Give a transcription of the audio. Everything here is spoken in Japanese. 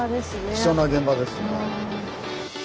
貴重な現場ですね。